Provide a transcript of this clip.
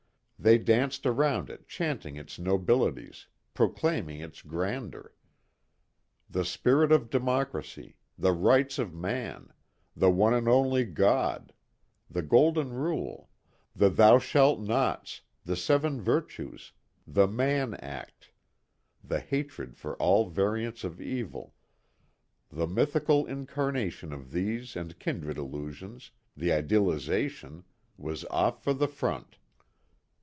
They danced around it chanting its nobilities, proclaiming its grandeur. The spirit of Democracy, the Rights of Man, the One and Only God the Golden Rule, the Thou Shalt Nots, the Seven Virtues, the Mann Act, the Hatred for All Variants of Evil, the mythical incarnation of these and kindred illusions the Idealization was off for the front.